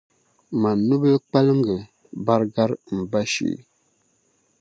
Man’ nubil’ kpaliŋga bari gari m ba shee!